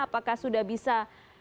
apakah sudah bisa